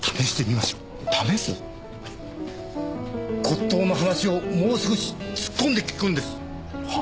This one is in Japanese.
骨董の話をもう少し突っ込んで聞くんです。